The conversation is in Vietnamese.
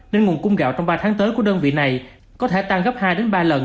nên nguồn cung gạo trong ba tháng tới của đơn vị này có thể tăng gấp hai ba lần